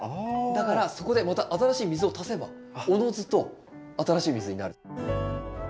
だからそこでまた新しい水を足せばおのずと新しい水になる。